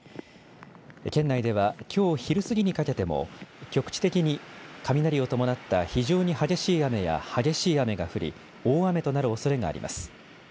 県内ではきょう昼過ぎにかけても局地的に雷を伴った非常に激しい雨や激しい雨が降り大雨となるおそれがあります。